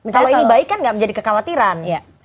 kalau ini baik kan tidak menjadi kekhawatiran